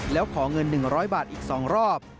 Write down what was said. แล้วขอเงิน๑๐๐บาทอีก๒รอบ